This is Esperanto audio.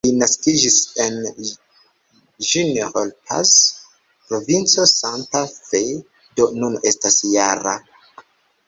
Li naskiĝis en "General Paz", provinco Santa Fe, do nun estas -jara.